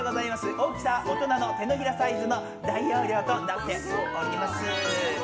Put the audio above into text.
大きさは大人の手のひらサイズの大容量となっています。